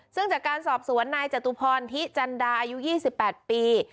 ซึ่งจากการสอบสวนนายจตุพรที่จันดาอายุยี่สิบแปดปี